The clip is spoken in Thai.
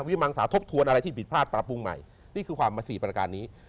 มังสาทบทวนอะไรที่ผิดพลาดปรับปรุงใหม่นี่คือความมาสี่ประการนี้